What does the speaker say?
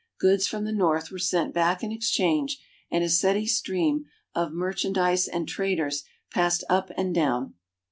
Goods from the north were sent back in exchange, and a steady stream of merchandise and traders passed up and down.